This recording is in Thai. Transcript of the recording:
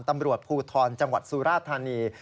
ตำรวจภูทรจังหวัดสุราธานี